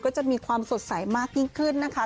ก็จะมีความสดใสมากยิ่งขึ้นนะคะ